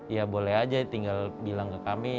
ya boleh aja tinggal bilang ke kami